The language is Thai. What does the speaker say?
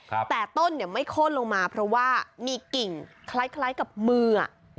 แต่ต้นเนี่ยไม่โค้นลงมาเพราะว่ามีกิ่งคล้ายคล้ายกับมืออ่ะ